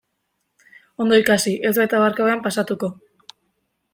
Ondo ikasi, ez baita oharkabean pasatuko.